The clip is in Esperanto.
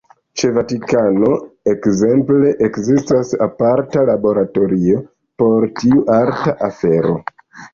Ĉe Vatikano, ekzemple, ekzistas aparta laboratorio por tiu arta afero.